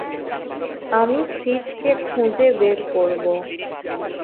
আমি সিফকে খুঁজে বের করব।